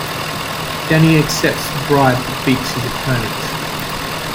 Danny accepts the bribe but beats his opponent.